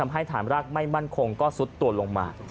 ให้ฐานรากไม่มั่นคงก็ซุดตัวลงมา